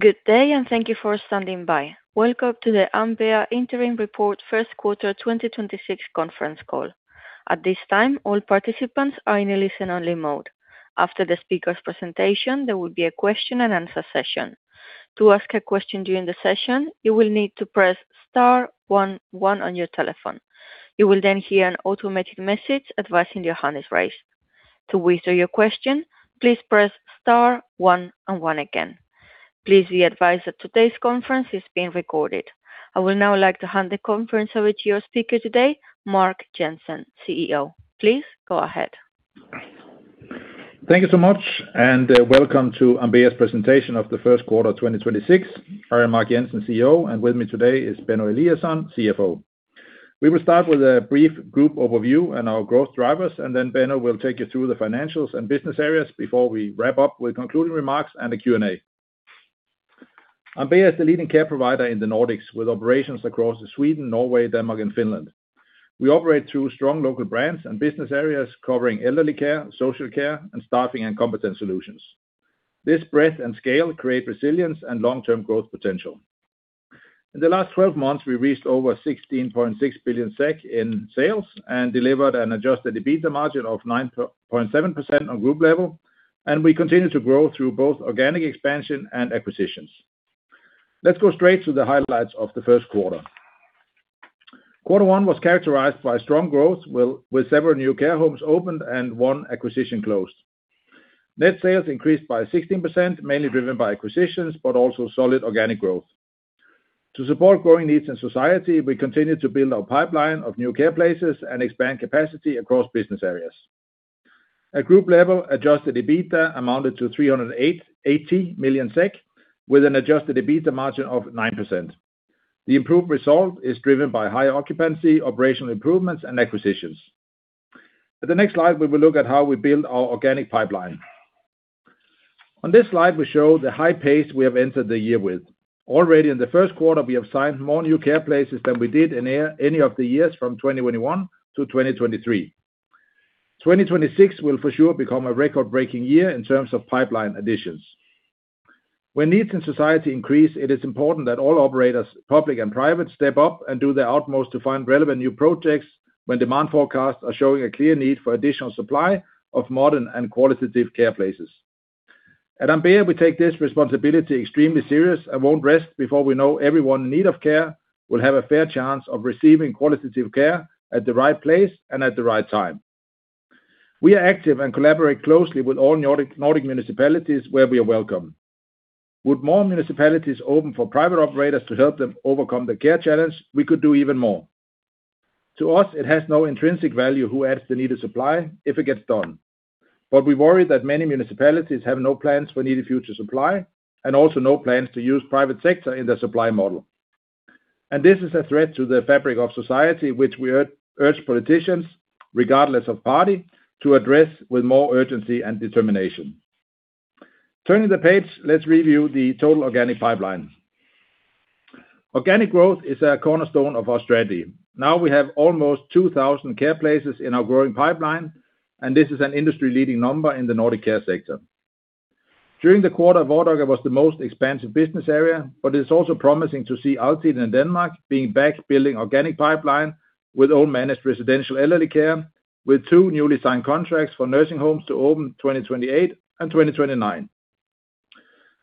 Good day, thank you for standing by. Welcome to the Ambea Interim Report First Quarter 2026 conference call. At this time, all participants are in a listen-only mode. After the speaker's presentation, there will be a question-and-answer session. To ask a question during the session, you will need to press star, one, one on your telephone. You will then hear an automated message advising your hand is raised. To withdraw your question, please press star, one, and one again. Please be advised that today's conference is being recorded. I would now like to hand the conference over to your speaker. I would now like to hand the conference over to your speaker today, Mark Jensen, CEO. Please go ahead. Thank you so much. Welcome to Ambea's presentation of the first quarter of 2026. I am Mark Jensen, CEO. With me today is Benno Eliasson, CFO. We will start with a brief group overview and our growth drivers. Benno will take you through the financials and business areas before we wrap up with concluding remarks and a Q&A. Ambea is the leading care provider in the Nordics with operations across Sweden, Norway, Denmark, and Finland. We operate through strong local brands and business areas covering elderly care, social care, and staffing and competence solutions. This breadth and scale create resilience and long-term growth potential. In the last 12 months, we reached over 16.6 billion SEK in sales and delivered an adjusted EBITDA margin of 9.7% on group level. We continue to grow through both organic expansion and acquisitions. Let's go straight to the highlights of the first quarter. Quarter one was characterized by strong growth with several new care homes opened and one acquisition closed. Net sales increased by 16%, mainly driven by acquisitions, but also solid organic growth. To support growing needs in society, we continue to build our pipeline of new care places and expand capacity across business areas. At group level, adjusted EBITDA amounted to 380 million SEK, with an adjusted EBITDA margin of 9%. The improved result is driven by high occupancy, operational improvements, and acquisitions. At the next slide, we will look at how we build our organic pipeline. On this slide, we show the high pace we have entered the year with. Already in the first quarter, we have signed more new care places than we did in any of the years from 2021 to 2023. 2026 will for sure become a record-breaking year in terms of pipeline additions. When needs in society increase, it is important that all operators, public and private, step up and do their utmost to find relevant new projects when demand forecasts are showing a clear need for additional supply of modern and qualitative care places. At Ambea, we take this responsibility extremely serious and won't rest before we know everyone in need of care will have a fair chance of receiving qualitative care at the right place and at the right time. We are active and collaborate closely with all Nordic municipalities where we are welcome. Would more municipalities open for private operators to help them overcome the care challenge, we could do even more. To us, it has no intrinsic value who adds the needed supply if it gets done. We worry that many municipalities have no plans for needed future supply and also no plans to use private sector in their supply model. This is a threat to the fabric of society, which we urge politicians, regardless of party, to address with more urgency and determination. Turning the page, let's review the total organic pipeline. Organic growth is a cornerstone of our strategy. Now we have almost 2,000 care places in our growing pipeline, and this is an industry-leading number in the Nordic care sector. During the quarter, Vardaga was the most expansive business area, but it is also promising to see Altiden in Denmark being back building organic pipeline with all managed residential elderly care, with two newly signed contracts for nursing homes to open 2028 and 2029.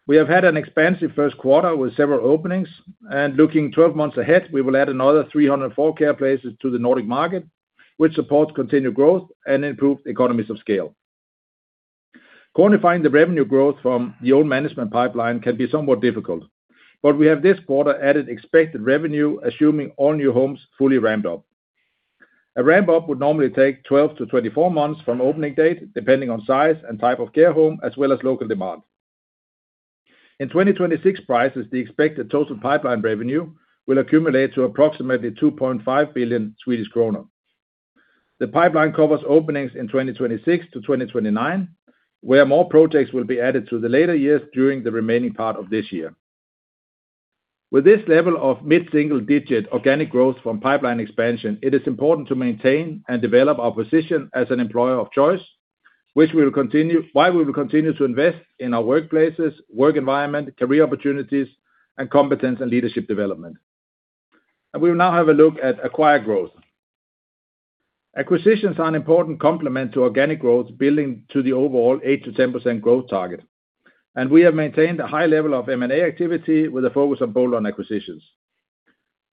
We have had an expansive first quarter with several openings, and looking 12 months ahead, we will add another 304 care places to the Nordic market, which supports continued growth and improved economies of scale. Quantifying the revenue growth from the old management pipeline can be somewhat difficult, but we have this quarter added expected revenue, assuming all new homes fully ramped up. A ramp-up would normally take 12-24 months from opening date, depending on size and type of care home, as well as local demand. In 2026 prices, the expected total pipeline revenue will accumulate to approximately 2.5 billion Swedish kronor. The pipeline covers openings in 2026-2029, where more projects will be added to the later years during the remaining part of this year. With this level of mid-single digit organic growth from pipeline expansion, it is important to maintain and develop our position as an employer of choice, which we will continue to invest in our workplaces, work environment, career opportunities, and competence and leadership development. We will now have a look at acquired growth. Acquisitions are an important complement to organic growth, building to the overall 8%-10% growth target. We have maintained a high level of M&A activity with a focus on bolt-on acquisitions.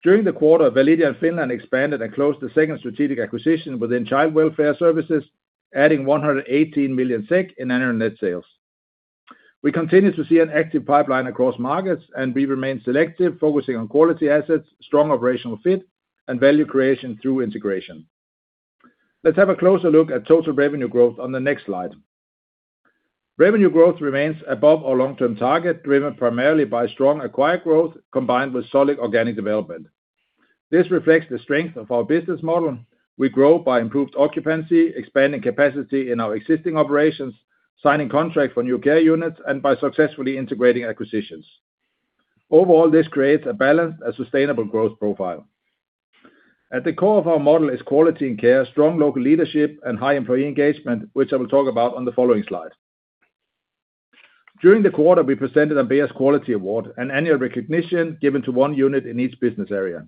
During the quarter, Validia in Finland expanded and closed the second strategic acquisition within child welfare services, adding 118 million SEK in annual net sales. We continue to see an active pipeline across markets, and we remain selective, focusing on quality assets, strong operational fit, and value creation through integration. Let's have a closer look at total revenue growth on the next slide. Revenue growth remains above our long-term target, driven primarily by strong acquired growth combined with solid organic development. This reflects the strength of our business model. We grow by improved occupancy, expanding capacity in our existing operations, signing contracts for new care units, and by successfully integrating acquisitions. Overall, this creates a balanced and sustainable growth profile. At the core of our model is quality and care, strong local leadership, and high employee engagement, which I will talk about on the following slide. During the quarter, we presented Ambea's Quality Award, an annual recognition given to one unit in each business area.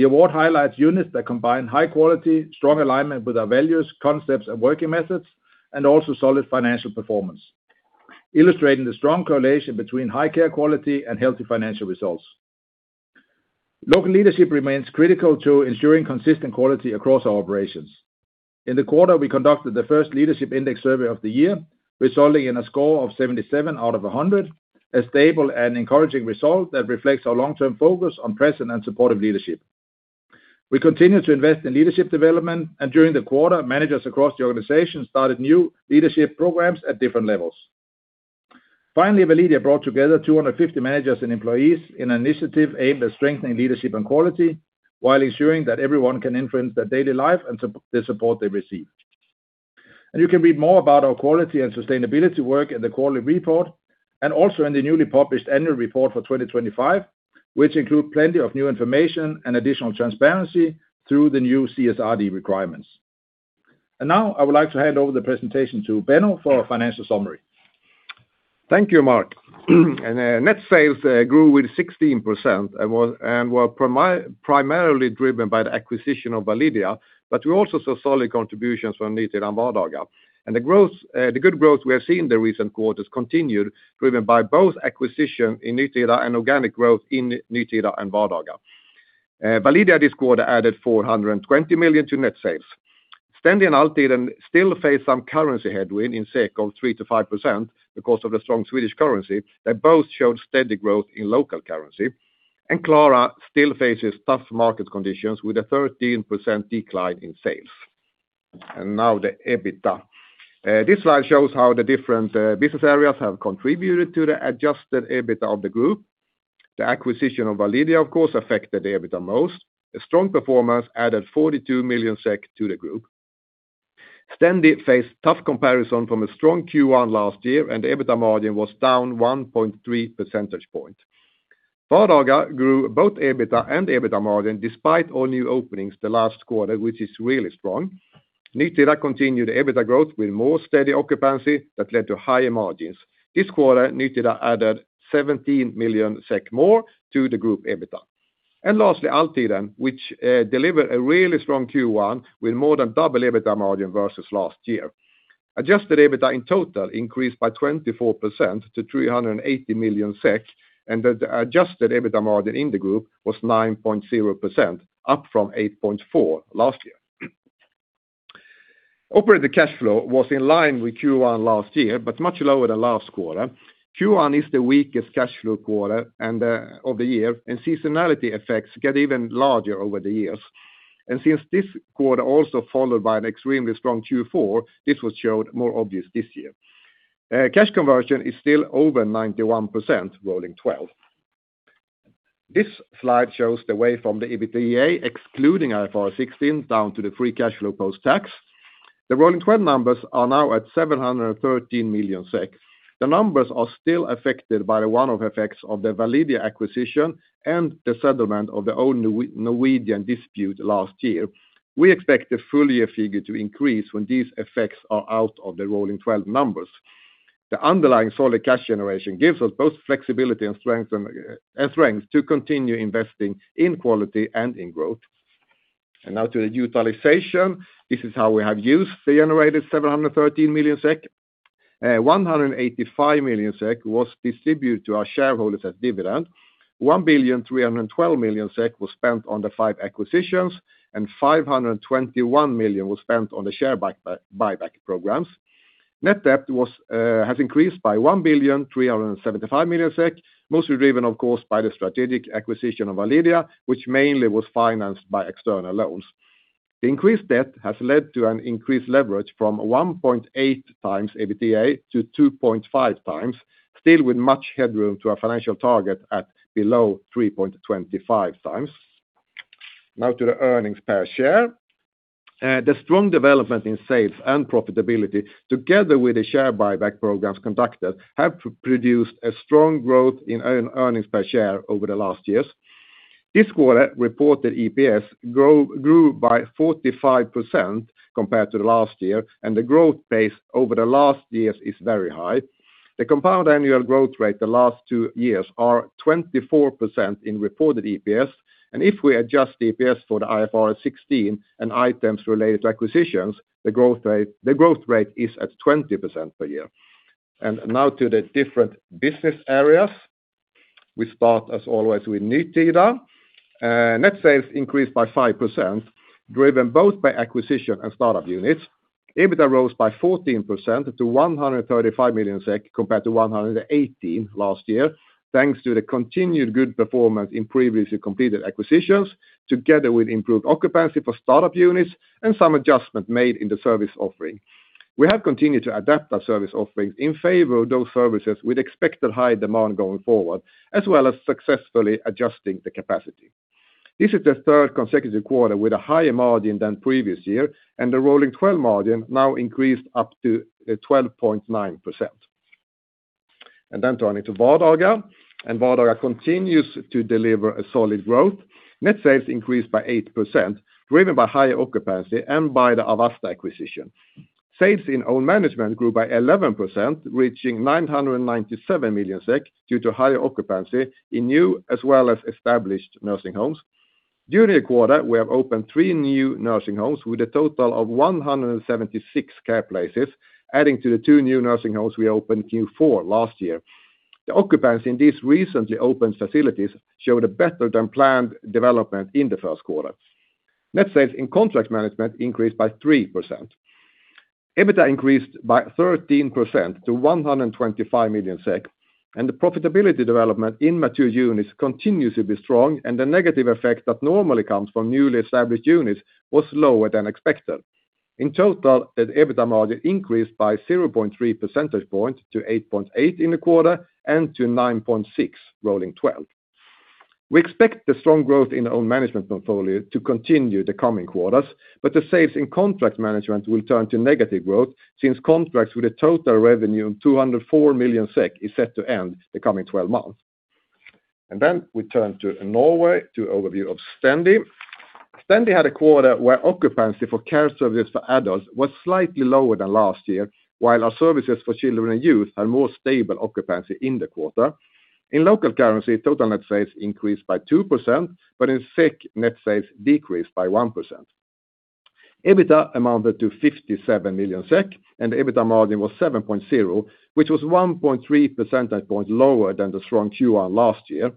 The award highlights units that combine high quality, strong alignment with our values, concepts and working methods, and also solid financial performance. Illustrating the strong correlation between high care quality and healthy financial results. Local leadership remains critical to ensuring consistent quality across our operations. In the quarter, we conducted the first leadership index survey of the year, resulting in a score of 77 out of 100, a stable and encouraging result that reflects our long-term focus on present and supportive leadership. We continue to invest in leadership development. During the quarter, managers across the organization started new leadership programs at different levels. Finally, Validia brought together 250 managers and employees in an initiative aimed at strengthening leadership and quality while ensuring that everyone can influence their daily life and the support they receive. You can read more about our quality and sustainability work in the quarterly report, and also in the newly published annual report for 2025, which include plenty of new information and additional transparency through the new CSRD requirements. Now I would like to hand over the presentation to Benno for a financial summary. Thank you, Mark. Net sales grew with 16% and were primarily driven by the acquisition of Validia, but we also saw solid contributions from Nytida and Vardaga. The growth, the good growth we have seen in the recent quarters continued, driven by both acquisition in Nytida and organic growth in Nytida and Vardaga. Validia this quarter added 420 million to net sales. Stendi and Altiden still face some currency headwind in SEK of 3%-5% because of the strong Swedish currency. They both showed steady growth in local currency. Klara still faces tough market conditions with a 13% decline in sales. Now the EBITDA. This slide shows how the different business areas have contributed to the adjusted EBITDA of the group. The acquisition of Validia of course affected the EBITDA most. A strong performance added 42 million SEK to the group. Stendi faced tough comparison from a strong Q1 last year, and EBITDA margin was down 1.3 percentage point. Vardaga grew both EBITDA and EBITDA margin despite all new openings the last quarter, which is really strong. Nytida continued EBITDA growth with more steady occupancy that led to higher margins. This quarter, Nytida added 17 million SEK more to the group EBITDA. Lastly, Altiden, which delivered a really strong Q1 with more than double EBITDA margin versus last year. Adjusted EBITDA in total increased by 24% to 380 million SEK, and the adjusted EBITDA margin in the group was 9.0%, up from 8.4 last year. Operating cash flow was in line with Q1 last year, but much lower than last quarter. Q1 is the weakest cash flow quarter of the year, and seasonality effects get even larger over the years. Since this quarter also followed by an extremely strong Q4, this was showed more obvious this year. Cash conversion is still over 91% rolling twelve. This slide shows the way from the EBITDA excluding IFRS 16 down to the free cash flow post-tax. The rolling twelve numbers are now at 713 million SEK. The numbers are still affected by the one-off effects of the Validia acquisition and the settlement of the old Norwegian dispute last year. We expect the full year figure to increase when these effects are out of the rolling twelve numbers. The underlying solid cash generation gives us both flexibility and strength to continue investing in quality and in growth. Now to the utilization. This is how we have used the generated 713 million SEK. 185 million SEK was distributed to our shareholders as dividend. 1,312 million SEK was spent on the five acquisitions, and 521 million was spent on the buyback programs. Net debt has increased by 1,375 million SEK, mostly driven, of course, by the strategic acquisition of Validia, which mainly was financed by external loans. The increased debt has led to an increased leverage from 1.8x EBITDA to 2.5x, still with much headroom to our financial target at below 3.25x. Now to the earnings per share. The strong development in sales and profitability, together with the share buyback programs conducted, have produced a strong growth in earnings per share over the last years. This quarter, reported EPS grew by 45% compared to the last year, and the growth pace over the last years is very high. The compound annual growth rate the last two years are 24% in reported EPS. If we adjust EPS for the IFRS 16 and items related to acquisitions, the growth rate is at 20% per year. Now to the different business areas. We start, as always, with Nytida. Net sales increased by 5%, driven both by acquisition and start-up units. EBITDA rose by 14% to 135 million SEK compared to 118 last year, thanks to the continued good performance in previously completed acquisitions, together with improved occupancy for start-up units and some adjustment made in the service offering. We have continued to adapt our service offerings in favor of those services with expected high demand going forward, as well as successfully adjusting the capacity. This is the third consecutive quarter with a higher margin than previous year, and the rolling twelve margin now increased up to 12.9%. Turning to Vardaga. Vardaga continues to deliver a solid growth. Net sales increased by 8%, driven by higher occupancy and by the AvAsta acquisition. Sales in own management grew by 11%, reaching 997 million SEK due to higher occupancy in new as well as established nursing homes. During the quarter, we have opened three new nursing homes with a total of 176 care places, adding to the two new nursing homes we opened Q4 last year. The occupancy in these recently opened facilities showed a better-than-planned development in the first quarter. Net sales in contract management increased by 3%. EBITDA increased by 13% to 125 million SEK, and the profitability development in mature units continues to be strong, and the negative effect that normally comes from newly established units was lower than expected. In total, the EBITDA margin increased by 0.3 percentage points to 8.8% in the quarter and to 9.6% rolling twelve. We expect the strong growth in own management portfolio to continue the coming quarters, but the sales in contract management will turn to negative growth since contracts with a total revenue of 204 million SEK is set to end the coming 12 months. We turn to Norway to overview of Stendi. Stendi had a quarter where occupancy for care services for adults was slightly lower than last year, while our services for children and youth had more stable occupancy in the quarter. In local currency, total net sales increased by 2%, but in SEK, net sales decreased by 1%. EBITDA amounted to 57 million SEK, and the EBITDA margin was 7.0, which was 1.3 percentage points lower than the strong Q1 last year.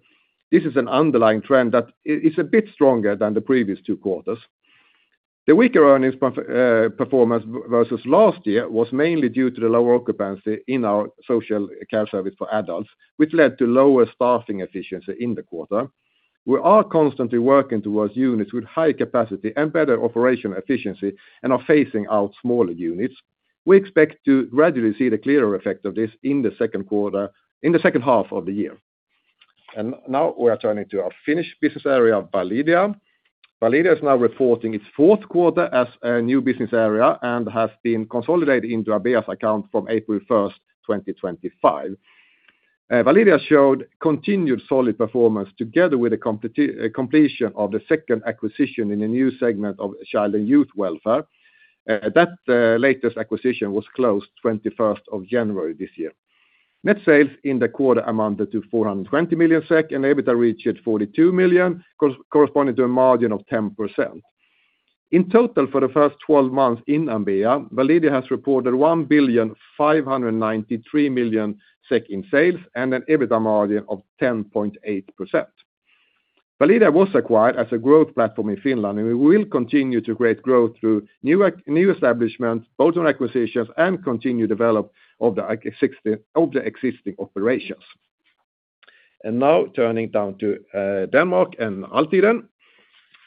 This is an underlying trend that is a bit stronger than the previous two quarters. The weaker earnings performance versus last year was mainly due to the lower occupancy in our social care service for adults, which led to lower staffing efficiency in the quarter. We are constantly working towards units with high capacity and better operational efficiency and are phasing out smaller units. We expect to gradually see the clearer effect of this in the second half of the year. Now we are turning to our Finnish business area, Validia. Validia is now reporting its fourth quarter as a new business area and has been consolidated into Ambea's account from April 1, 2025. Validia showed continued solid performance together with the completion of the second acquisition in a new segment of child and youth welfare. That latest acquisition was closed January 21 this year. Net sales in the quarter amounted to 420 million SEK, and EBITDA reached 42 million, corresponding to a margin of 10%. In total, for the first 12 months in Ambea, Validia has reported 1,593 million SEK in sales and an EBITDA margin of 10.8%. Validia was acquired as a growth platform in Finland. We will continue to create growth through new establishments, bolt-on acquisitions, and continued development of the existing operations. Now turning down to Denmark and Altiden.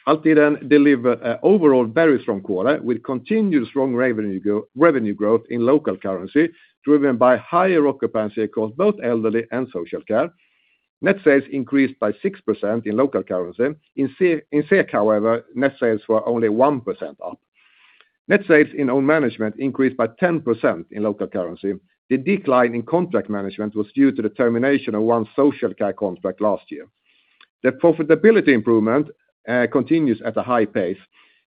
Altiden delivered a overall very strong quarter with continued strong revenue growth in local currency, driven by higher occupancy across both elderly and social care. Net sales increased by 6% in local currency. In SEK, however, net sales were only 1% up. Net sales in own management increased by 10% in local currency. The decline in contract management was due to the termination of 1 social care contract last year. The profitability improvement continues at a high pace.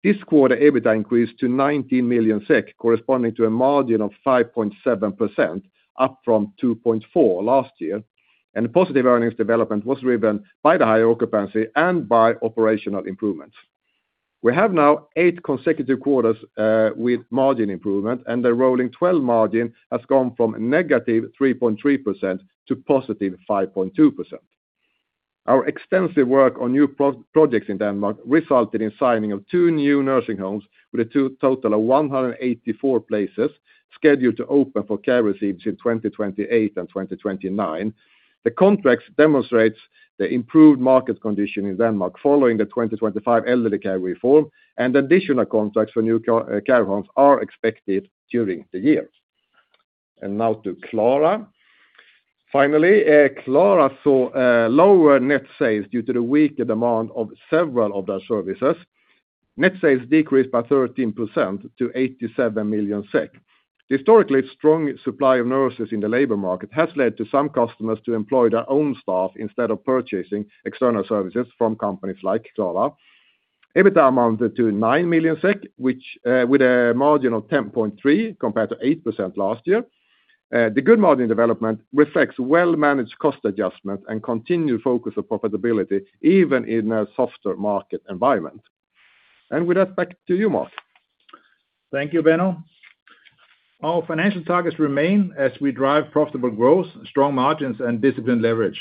This quarter, EBITDA increased to 19 million SEK, corresponding to a margin of 5.7%, up from 2.4% last year. Positive earnings development was driven by the higher occupancy and by operational improvements. We have now eight consecutive quarters with margin improvement. The rolling-twelve margin has gone from negative 3.3% to positive 5.2%. Our extensive work on new projects in Denmark resulted in signing of two new nursing homes with a total of 184 places scheduled to open for care receipts in 2028 and 2029. The contracts demonstrates the improved market condition in Denmark following the 2025 elderly care reform. Additional contracts for new care homes are expected during the year. Now to Klara. Finally, Klara saw lower net sales due to the weaker demand of several of their services. Net sales decreased by 13% to 87 million SEK. Historically, strong supply of nurses in the labor market has led to some customers to employ their own staff instead of purchasing external services from companies like Klara. EBITDA amounted to 9 million SEK, which with a margin of 10.3% compared to 8% last year. The good margin development reflects well-managed cost adjustments and continued focus on profitability even in a softer market environment. With that, back to you, Mark Jensen. Thank you, Benno. Our financial targets remain as we drive profitable growth, strong margins, and disciplined leverage.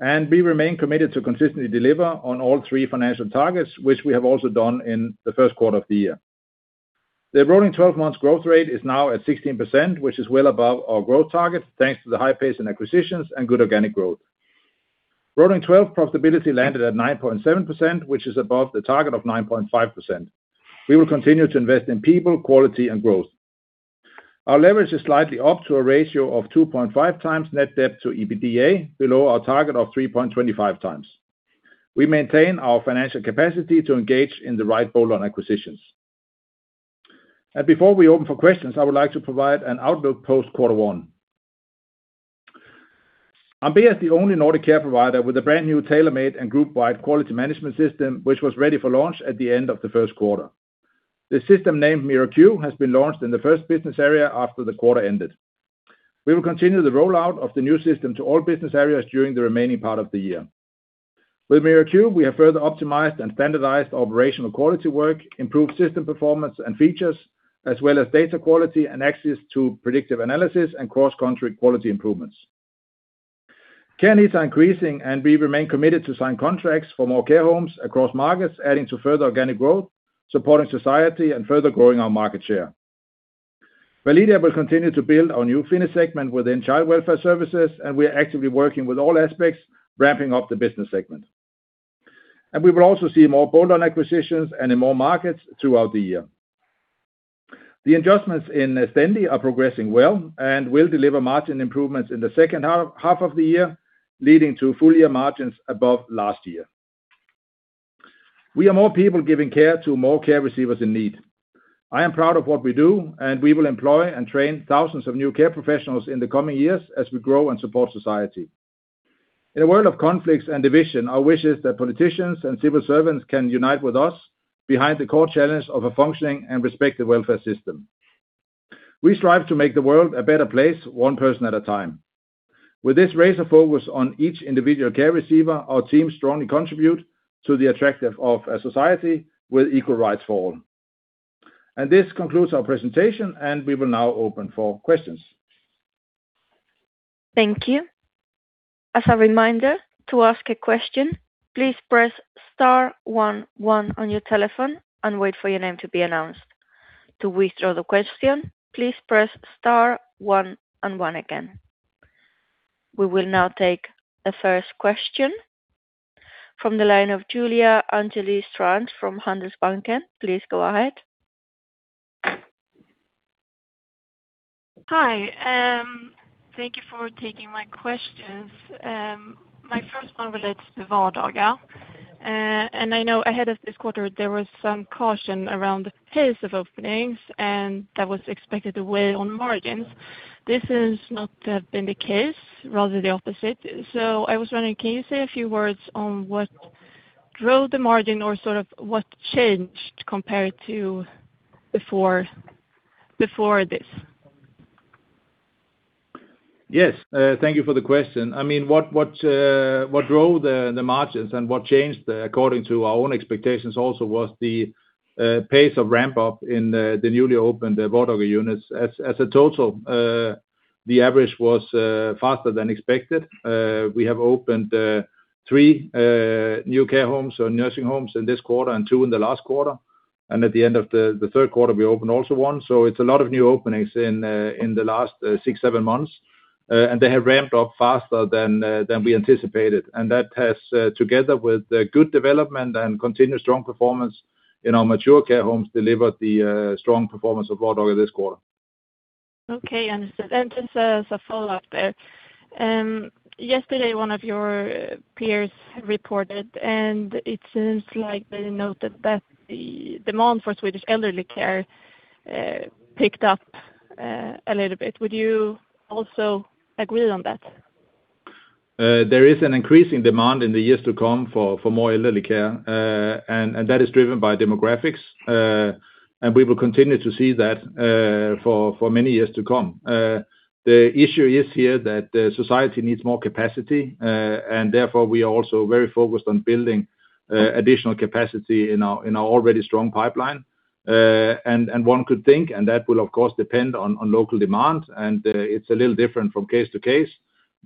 We remain committed to consistently deliver on all three financial targets, which we have also done in the first quarter of the year. The rolling 12 months growth rate is now at 16%, which is well above our growth target, thanks to the high pace in acquisitions and good organic growth. Rolling 12 profitability landed at 9.7%, which is above the target of 9.5%. We will continue to invest in people, quality, and growth. Our leverage is slightly up to a ratio of 2.5x net debt to EBITDA, below our target of 3.25x. We maintain our financial capacity to engage in the right bolt-on acquisitions. Before we open for questions, I would like to provide an outlook post quarter one. Ambea is the only Nordic care provider with a brand new tailor-made and group-wide quality management system, which was ready for launch at the end of the first quarter. The system named MiraQ has been launched in the first business area after the quarter ended. We will continue the rollout of the new system to all business areas during the remaining part of the year. With MiraQ, we have further optimized and standardized operational quality work, improved system performance and features, as well as data quality and access to predictive analysis and cross-country quality improvements. Care needs are increasing, we remain committed to sign contracts for more care homes across markets, adding to further organic growth, supporting society and further growing our market share. Validia will continue to build our new Finnish segment within child welfare services, and we are actively working with all aspects, ramping up the business segment. We will also see more bolt-on acquisitions and in more markets throughout the year. The adjustments in Stendi are progressing well and will deliver margin improvements in the second half of the year, leading to full-year margins above last year. We are more people giving care to more care receivers in need. I am proud of what we do, and we will employ and train thousands of new care professionals in the coming years as we grow and support society. In a world of conflicts and division, our wish is that politicians and civil servants can unite with us behind the core challenge of a functioning and respective welfare system. We strive to make the world a better place one person at a time. With this razor focus on each individual care receiver, our team strongly contribute to the attractive of a society with equal rights for all. This concludes our presentation, and we will now open for questions. Thank you. As a reminder, to ask a question, please press star one one on your telephone and wait for your name to be announced. To withdraw the question, please press star one one again. We will now take the first question from the line of Julia Angeli Strand from Handelsbanken. Please go ahead. Hi, thank you for taking my questions. My first one relates to Vardaga. I know ahead of this quarter, there was some caution around the pace of openings, and that was expected to weigh on margins. This has not been the case, rather the opposite. I was wondering, can you say a few words on what drove the margin or sort of what changed compared to before this? Yes. Thank you for the question. I mean, what drove the margins and what changed according to our own expectations also was the pace of ramp-up in the newly opened, the Vardaga units. As, as a total, the average was faster than expected. We have opened three new care homes or nursing homes in this quarter and two in the last quarter. At the end of the third quarter, we opened also one. It's a lot of new openings in the last six, seven months. They have ramped up faster than than we anticipated. That has, together with the good development and continued strong performance in our mature care homes, delivered the strong performance of Vardaga this quarter. Okay, understood. Just as a follow-up there. Yesterday, one of your peers reported, and it seems like they noted that the demand for Swedish elderly care picked up a little bit. Would you also agree on that? There is an increasing demand in the years to come for more elderly care. That is driven by demographics. We will continue to see that for many years to come. The issue is here that the society needs more capacity, therefore we are also very focused on building additional capacity in our already strong pipeline. One could think, and that will of course depend on local demand, and it's a little different from case to case,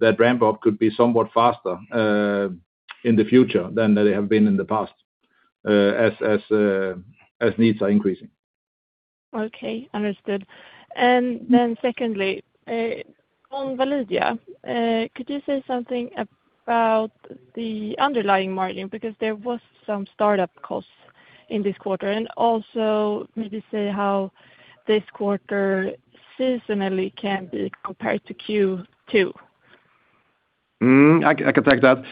that ramp-up could be somewhat faster in the future than they have been in the past as needs are increasing. Okay, understood. Secondly, on Validia, could you say something about the underlying margin? Because there was some startup costs in this quarter. Also maybe say how this quarter seasonally can be compared to Q2? I can take that.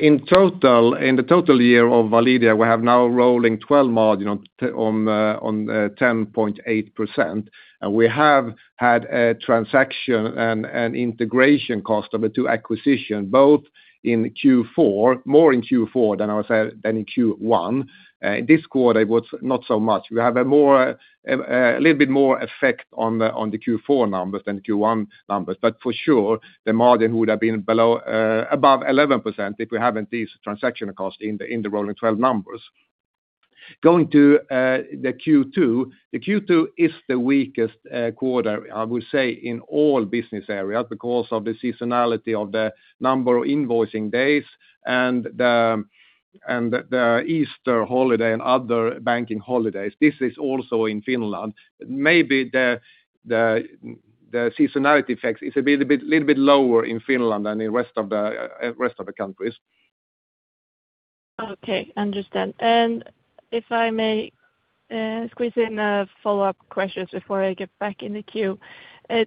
In total, in the total year of Validia, we have now rolling 12-month, you know, on 10.8%. We have had a transaction and integration cost of the two acquisitions, both in Q4, more in Q4 than I would say than in Q1. This quarter it was not so much. We have a more a little bit more effect on the Q4 numbers than Q1 numbers. For sure, the margin would have been above 11% if we haven't these transaction costs in the rolling 12 numbers. Going to the Q2, the Q2 is the weakest quarter, I would say, in all business areas because of the seasonality of the number of invoicing days and the Easter holiday and other banking holidays. This is also in Finland. Maybe the seasonality effects is a little bit lower in Finland than the rest of the countries. Okay, understand. If I may squeeze in a follow-up question before I get back in the queue. Can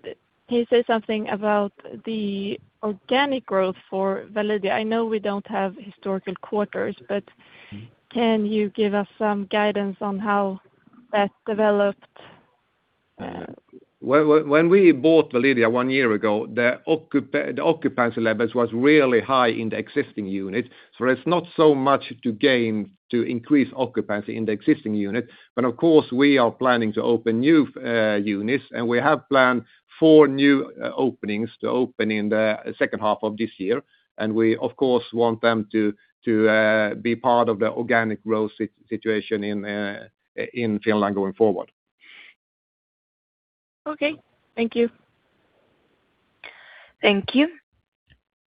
you say something about the organic growth for Validia? I know we don't have historical quarters, but can you give us some guidance on how that developed? When we bought Validia one year ago, the occupancy levels was really high in the existing unit. There's not so much to gain to increase occupancy in the existing unit. Of course, we are planning to open new units, and we have planned four new openings to open in the second half of this year. We of course want them to be part of the organic growth situation in Finland going forward. Okay. Thank you. Thank you.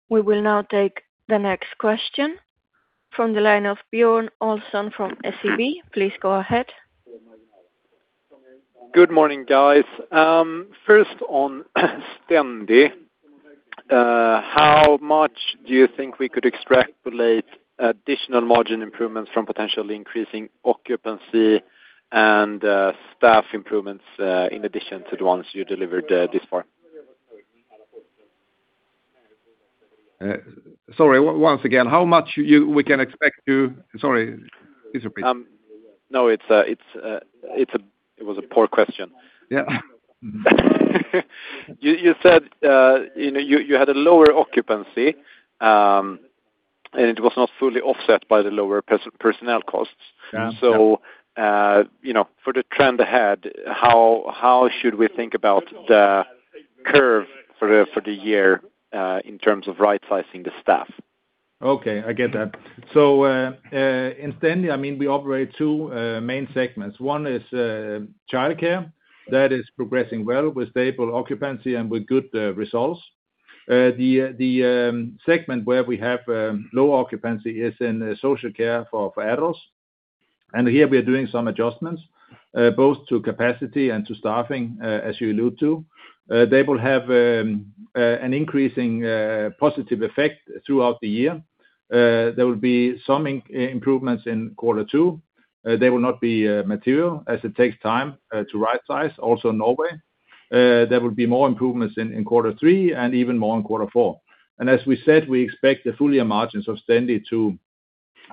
We will now take the next question from the line of Björn Olsson from SEB. Please go ahead. Good morning, guys. first on Stendi, how much do you think we could extrapolate additional margin improvements from potentially increasing occupancy and staff improvements, in addition to the ones you delivered, this far? Sorry, once again, how much we can expect you? Sorry. Please repeat. No, It was a poor question. Yeah. You said, you know, you had a lower occupancy, and it was not fully offset by the lower personnel costs. Yeah. You know, for the trend ahead, how should we think about the curve for the year, in terms of right-sizing the staff? I get that. In Stendi, I mean, we operate two main segments. One is childcare that is progressing well with stable occupancy and with good results. The segment where we have low occupancy is in social care for adults. Here, we are doing some adjustments both to capacity and to staffing, as you allude to. They will have an increasing positive effect throughout the year. There will be some improvements in quarter 2. They will not be material as it takes time to right-size also Norway. There will be more improvements in quarter 3 and even more in quarter 4. As we said, we expect the full year margins of Stendi to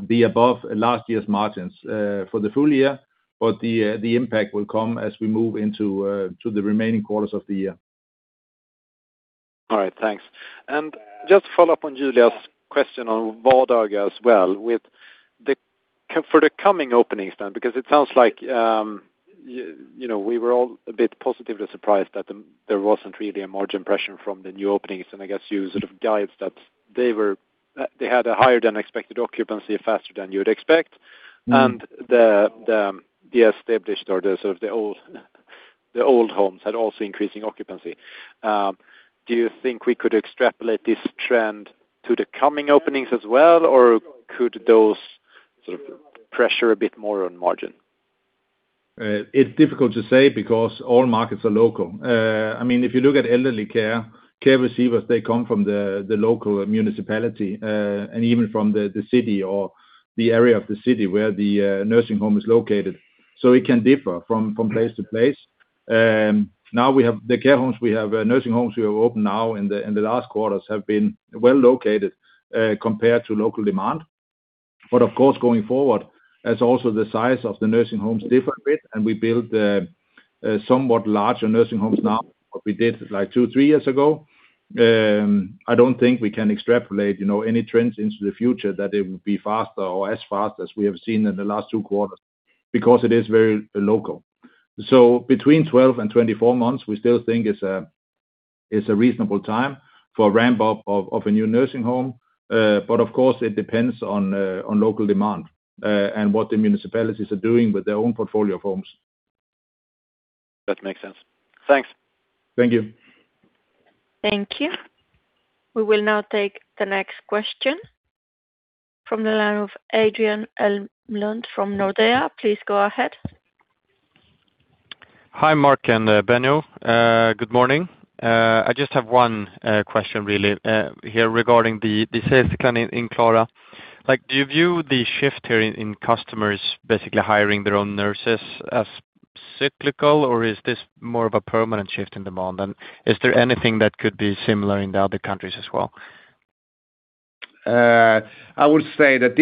be above last year's margins, for the full year, but the impact will come as we move into the remaining quarters of the year. All right. Thanks. Just to follow up on Julia's question on Vardaga as well with for the coming openings now, because it sounds like, you know, we were all a bit positively surprised that there wasn't really a margin pressure from the new openings. I guess you sort of guides that they had a higher than expected occupancy faster than you would expect. The established or the sort of the old homes had also increasing occupancy. Do you think we could extrapolate this trend to the coming openings as well, or could those sort of pressure a bit more on margin? It's difficult to say because all markets are local. I mean, if you look at elderly care receivers, they come from the local municipality, and even from the city or the area of the city where the nursing home is located. It can differ from place to place. Now we have the care homes, we have nursing homes we have opened now in the, in the last quarters have been well located, compared to local demand. Of course, going forward, as also the size of the nursing homes differ a bit, and we build somewhat larger nursing homes now than what we did, like, two, three years ago. I don't think we can extrapolate, you know, any trends into the future that it would be faster or as fast as we have seen in the last two quarters because it is very local. Between 12 and 24 months, we still think is a reasonable time for a ramp-up of a new nursing home. Of course, it depends on local demand and what the municipalities are doing with their own portfolio of homes. That makes sense. Thanks. Thank you. Thank you. We will now take the next question from the line of Adrian Elmlund from Nordea. Please go ahead. Hi, Mark and Benno. Good morning. I just have one question really here regarding the sales plan in Klara. Like, do you view the shift here in customers basically hiring their own nurses as cyclical, or is this more of a permanent shift in demand? And is there anything that could be similar in the other countries as well? I would say that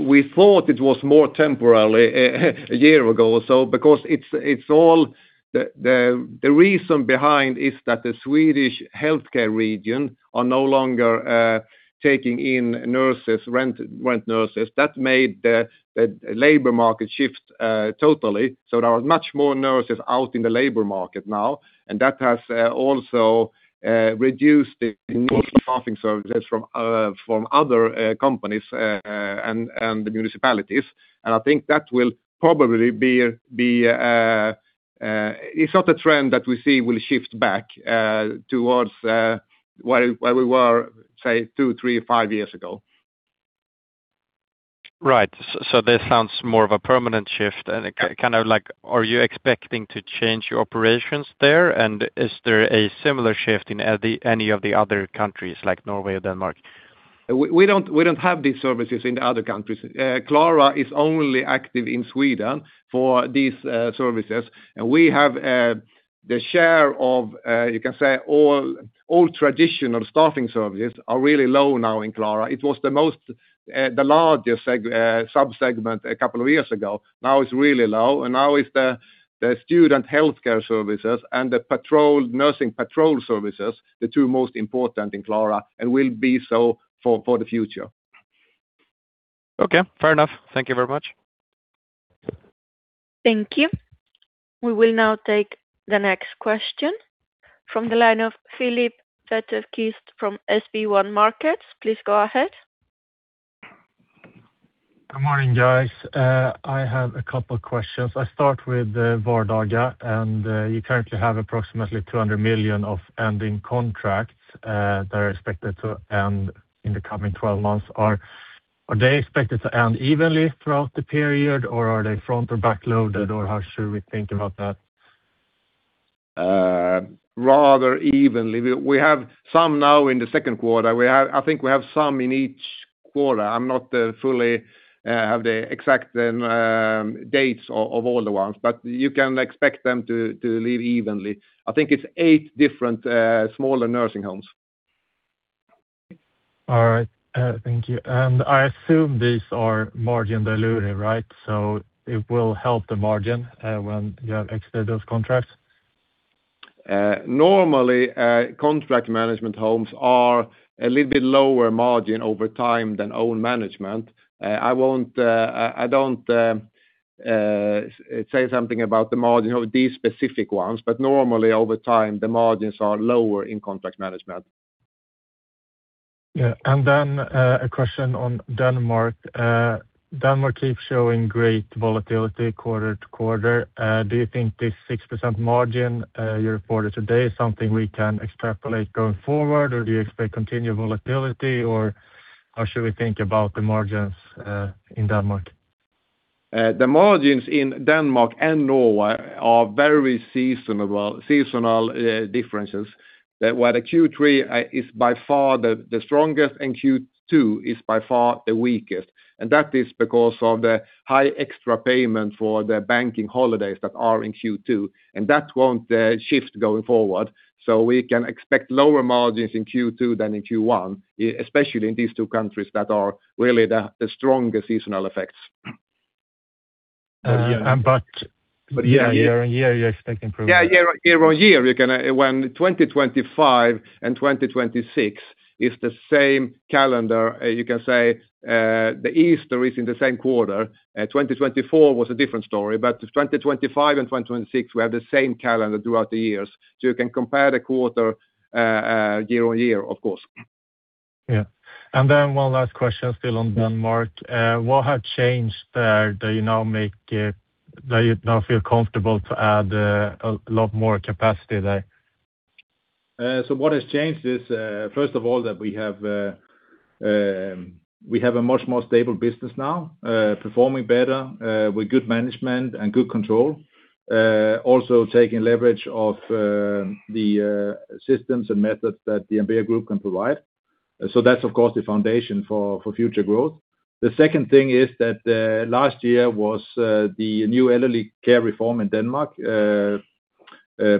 we thought it was more temporarily a year ago or so because it's all the reason behind is that the Swedish healthcare region are no longer taking in nurses, rent nurses. That made the labor market shift totally. There are much more nurses out in the labor market now, and that has also reduced the staffing services from other companies and the municipalities. I think that will probably be, it's not a trend that we see will shift back towards where we were, say, two, three, five years ago. Right. This sounds more of a permanent shift and kind of like, are you expecting to change your operations there? Is there a similar shift in any of the other countries like Norway or Denmark? We don't have these services in the other countries. Klara is only active in Sweden for these services. We have the share of, you can say all traditional staffing services are really low now in Klara. It was the largest sub-segment a couple of years ago. Now it's really low. Now it's the student healthcare services and the nursing patrol services, the two most important in Klara, and will be so for the future. Okay, fair enough. Thank you very much. Thank you. We will now take the next question from the line of Filip Wetterqvist from SB1 Markets. Please go ahead. Good morning, guys. I have a couple questions. I start with the Vardaga. You currently have approximately 200 million of ending contracts that are expected to end in the coming 12 months. Are they expected to end evenly throughout the period, or are they front or backloaded, or how should we think about that? Rather evenly. We have some now in the second quarter. I think we have some in each quarter. I'm not fully have the exact dates of all the ones, but you can expect them to leave evenly. I think it's eight different, smaller nursing homes. All right. Thank you. I assume these are margin dilutive, right? It will help the margin when you have exited those contracts. Normally, contract management homes are a little bit lower margin over time than own management. I don't say something about the margin of these specific ones, but normally over time, the margins are lower in contract management. Yeah. A question on Denmark. Denmark keeps showing great volatility quarter to quarter. Do you think this 6% margin you reported today is something we can extrapolate going forward, or do you expect continued volatility, or how should we think about the margins in Denmark? The margins in Denmark and Norway are very seasonal differences. The Q3 is by far the strongest, and Q2 is by far the weakest. That is because of the high extra payment for the banking holidays that are in Q2, and that won't shift going forward. We can expect lower margins in Q2 than in Q1, especially in these two countries that are really the strongest seasonal effects. Yeah. Year on year, you're expecting progress. Yeah, year on year, when 2025 and 2026 is the same calendar, you can say, the Easter is in the same quarter. 2024 was a different story, but 2025 and 2026, we have the same calendar throughout the years. You can compare the quarter, year on year, of course. Yeah. Then one last question still on Denmark. What has changed there that you now make, that you now feel comfortable to add a lot more capacity there? What has changed is, first of all, that we have a much more stable business now, performing better, with good management and good control. Also taking leverage of the systems and methods that the Ambea Group can provide. That's, of course, the foundation for future growth. The second thing is that last year was the new elderly care reform in Denmark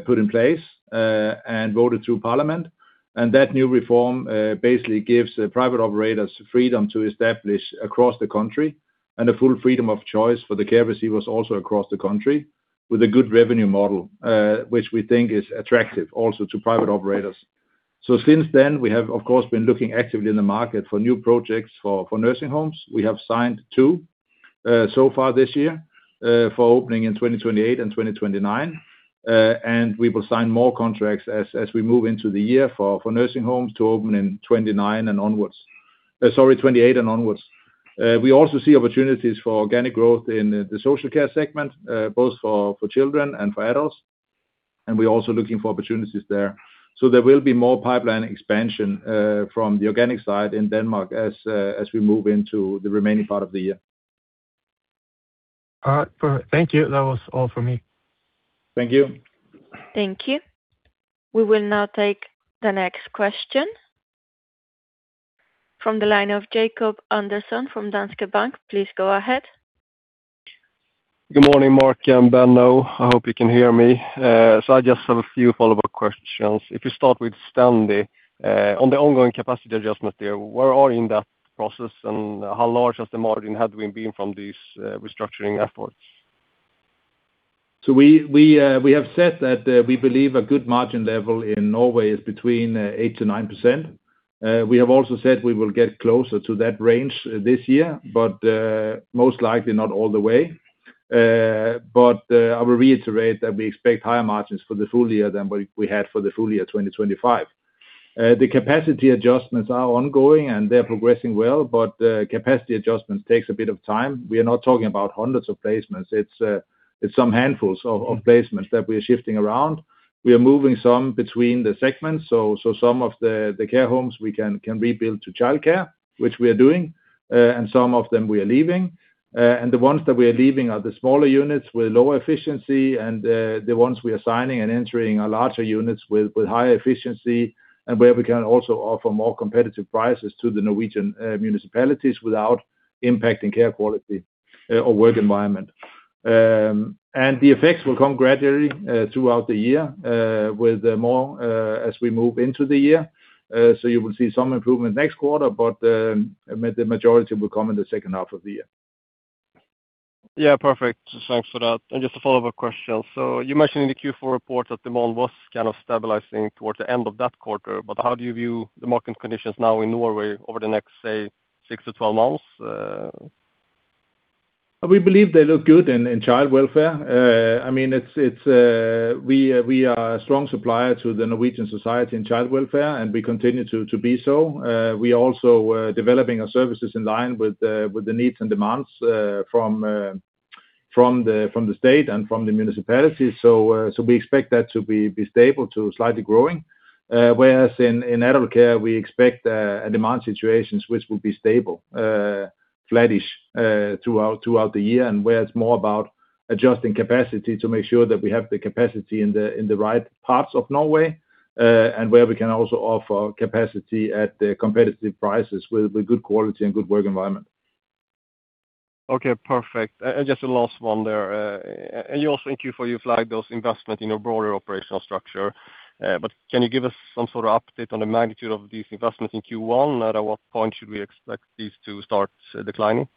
put in place and voted through parliament. That new reform basically gives private operators freedom to establish across the country and a full freedom of choice for the care receivers also across the country with a good revenue model, which we think is attractive also to private operators. Since then, we have, of course, been looking actively in the market for new projects for nursing homes. We have signed 2 so far this year for opening in 2028 and 2029. We will sign more contracts as we move into the year for nursing homes to open in 2029 and onwards. Sorry, 2028 and onwards. We also see opportunities for organic growth in the social care segment, both for children and for adults. We're also looking for opportunities there. There will be more pipeline expansion from the organic side in Denmark as we move into the remaining part of the year. All right. Per, thank you. That was all for me. Thank you. Thank you. We will now take the next question from the line of Jacob Andersson from Danske Bank. Please go ahead. Good morning, Mark and Benno. I hope you can hear me. I just have a few follow-up questions. If you start with Stendi, on the ongoing capacity adjustment there, where are you in that process, and how large has the margin had been from these restructuring efforts? We have said that we believe a good margin level in Norway is between 8% to 9%. We have also said we will get closer to that range this year, but most likely not all the way. I will reiterate that we expect higher margins for the full year than what we had for the full year 2025. The capacity adjustments are ongoing, and they're progressing well, but capacity adjustments takes a bit of time. We are not talking about hundreds of placements. It's some handfuls of placements that we are shifting around. We are moving some between the segments. Some of the care homes we can rebuild to childcare, which we are doing. Some of them we are leaving. The ones that we are leaving are the smaller units with lower efficiency, and the ones we are signing and entering are larger units with higher efficiency, and where we can also offer more competitive prices to the Norwegian municipalities without impacting care quality or work environment. The effects will come gradually throughout the year with more as we move into the year. You will see some improvement next quarter, but the majority will come in the second half of the year. Yeah, perfect. Thanks for that. Just a follow-up question. You mentioned in the Q4 report that demand was kind of stabilizing towards the end of that quarter, but how do you view the market conditions now in Norway over the next, say, six to twelve months? We believe they look good in child welfare. I mean, it's, we are a strong supplier to the Norwegian Society in Child Welfare, and we continue to be so. We also are developing our services in line with the needs and demands from the state and from the municipalities. We expect that to be stable to slightly growing. Whereas in adult care, we expect a demand situations which will be stable, flattish, throughout the year, and where it's more about adjusting capacity to make sure that we have the capacity in the right parts of Norway, and where we can also offer capacity at the competitive prices with good quality and good work environment. Okay, perfect. Just a last one there. You also in Q4, you flagged those investments in a broader operational structure. Can you give us some sort of update on the magnitude of these investments in Q1? At what point should we expect these to start declining?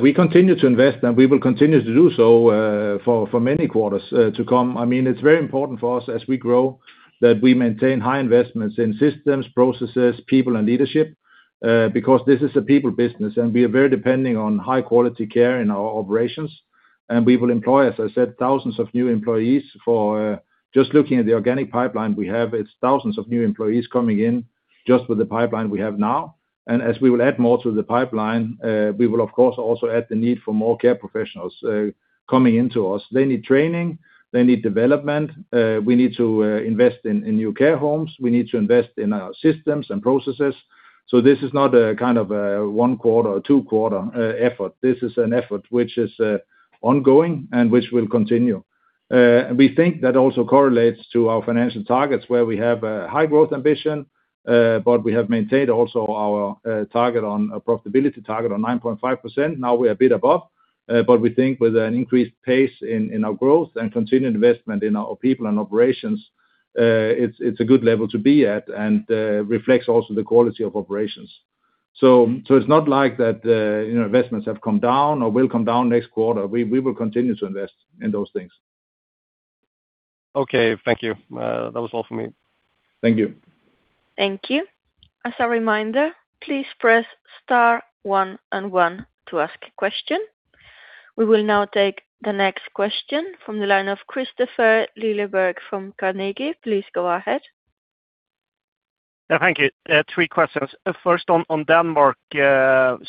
We continue to invest, we will continue to do so, for many quarters to come. I mean, it's very important for us as we grow, that we maintain high investments in systems, processes, people and leadership, because this is a people business, and we are very depending on high quality care in our operations. We will employ, as I said, thousands of new employees for just looking at the organic pipeline we have, it's thousands of new employees coming in just with the pipeline we have now. As we will add more to the pipeline, we will of course also add the need for more care professionals, coming into us. They need training, they need development, we need to invest in new care homes. We need to invest in our systems and processes. This is not a kind of 1 quarter or 2 quarters effort. This is an effort which is ongoing and which will continue. And we think that also correlates to our financial targets where we have a high growth ambition, but we have maintained also our target on a profitability target on 9.5%. Now we are a bit above, but we think with an increased pace in our growth and continued investment in our people and operations, it's a good level to be at and reflects also the quality of operations. It's not like that, you know, investments have come down or will come down next quarter. We will continue to invest in those things. Okay, thank you. That was all for me. Thank you. Thank you. As a reminder, please press star one and one to ask a question. We will now take the next question from the line of Kristofer Liljeberg from Carnegie. Please go ahead. Yeah, thank you. Three questions. First on Denmark,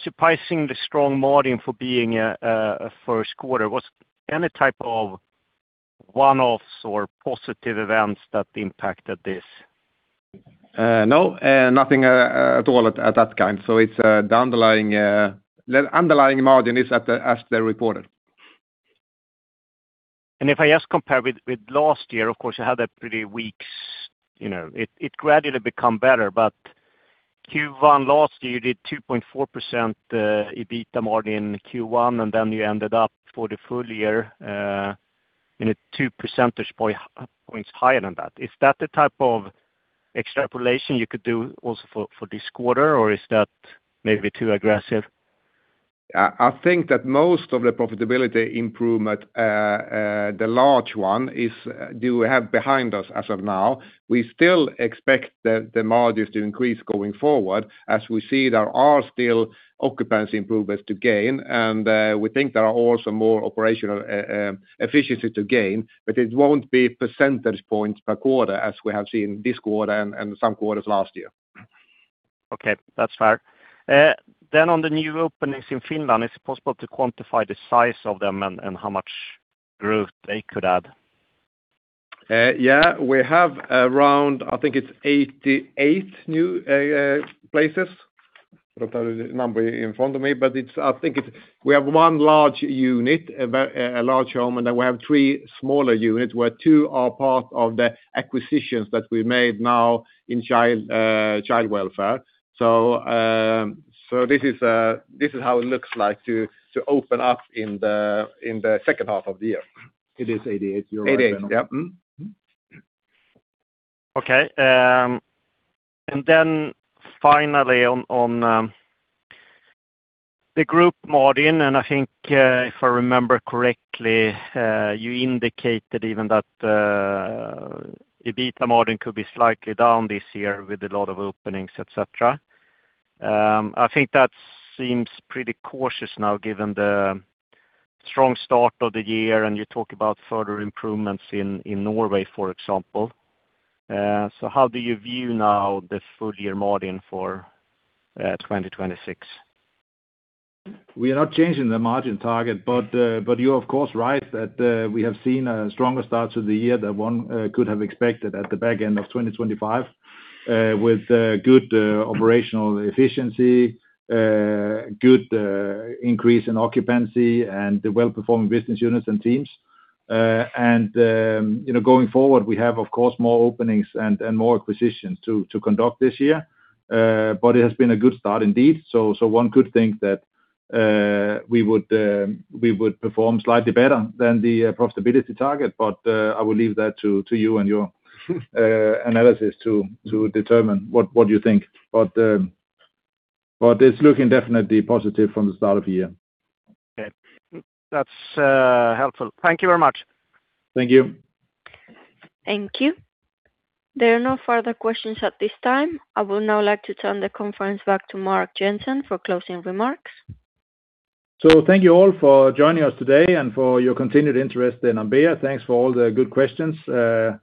surprisingly strong margin for being a first quarter. Was any type of one-offs or positive events that impacted this? No, nothing at all at that kind. It's the underlying underlying margin is as they reported. If I just compare with last year, of course, you had a pretty weak you know, it gradually become better. Q1 last year, you did 2.4% EBITDA margin Q1, then you ended up for the full year, you know, 2 percentage points higher than that. Is that the type of extrapolation you could do also for this quarter, or is that maybe too aggressive? I think that most of the profitability improvement, the large one is do we have behind us as of now. We still expect the margins to increase going forward as we see there are still occupancy improvements to gain. We think there are also more operational efficiency to gain, but it won't be percentage points per quarter as we have seen this quarter and some quarters last year. Okay, that's fair. On the new openings in Finland, is it possible to quantify the size of them and how much growth they could add? Yeah. We have around, I think it's 88 new places. Got that number in front of me, I think it's we have one large unit, a large home, and then we have three smaller units where two are part of the acquisitions that we made now in child welfare. This is how it looks like to open up in the second half of the year. It is 88. You are right. 88. Yep. Okay. Then finally on the group margin, I think, if I remember correctly, you indicated even that EBITDA margin could be slightly down this year with a lot of openings, et cetera. I think that seems pretty cautious now given the strong start of the year, and you talk about further improvements in Norway, for example. How do you view now the full year margin for 2026? We are not changing the margin target, but you're of course right that we have seen a stronger start to the year than one could have expected at the back end of 2025, with good operational efficiency, good increase in occupancy and the well-performing business units and teams. You know, going forward, we have, of course, more openings and more acquisitions to conduct this year. It has been a good start indeed. One could think that we would perform slightly better than the profitability target, but I will leave that to you and your analysis to determine what you think. It's looking definitely positive from the start of the year. Okay. That's helpful. Thank you very much. Thank you. Thank you. There are no further questions at this time. I would now like to turn the conference back to Mark Jensen for closing remarks. Thank you all for joining us today and for your continued interest in Ambea. Thanks for all the good questions from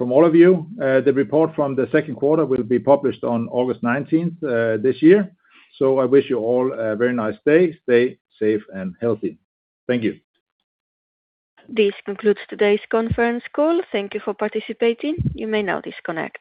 all of you. The report from the second quarter will be published on August 19th this year. I wish you all a very nice day. Stay safe and healthy. Thank you. This concludes today's conference call. Thank you for participating. You may now disconnect.